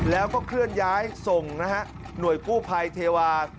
แล้วก็เคลื่อนย้ายส่งนะฮะหน่วยกู้ภัยเทวา